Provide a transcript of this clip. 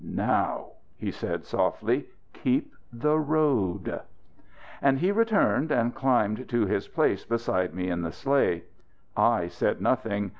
"Now," he said softly, "keep the road." And he returned and climbed to his place beside me in the sleigh. I said nothing.